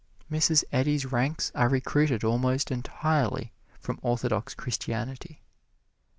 Mrs. Eddy's ranks are recruited almost entirely from Orthodox Christianity.